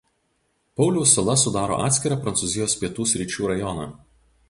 Pauliaus sala sudaro atskirą Prancūzijos Pietų Sričių rajoną.